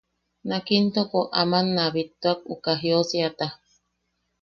Nak intoko aman ne a bittuak uka jiosiata.